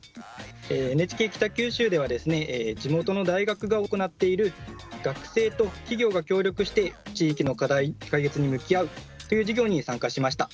ＮＨＫ北九州では地元の大学が行っている学生と企業が協力して地域の課題解決に向き合うという授業に参加しました。